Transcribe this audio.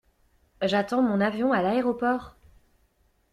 J'attends mon avion à l'aéroport.